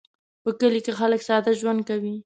په کلي کې خلک ساده ژوند کوي